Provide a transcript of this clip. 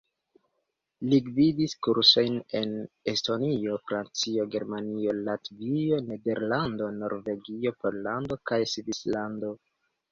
Li gvidis kursojn en Estonio, Francio, Germanio, Latvio, Nederlando, Norvegio, Pollando kaj Svislando.